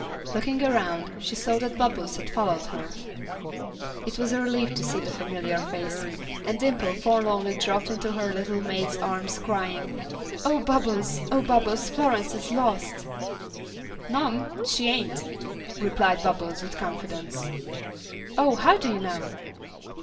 Looking around, she saw that Bubbles had followed her. It was a relief to see the familiar face, and Dimple forlornly dropped into her little maid's arms crying: "Oh, Bubbles! Oh, Bubbles, Florence is lost." "No 'm, she ain't," replied Bubbles, with confidence. "Oh, how do you know?"